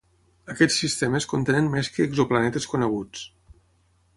Aquests sistemes contenen més que exoplanetes coneguts.